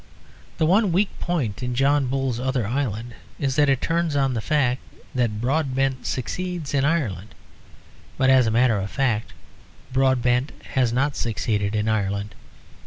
The one weak point in John Bull's Other Island is that it turns on the fact that Broadbent succeeds in Ireland. But as a matter of fact Broadbent has not succeeded in Ireland.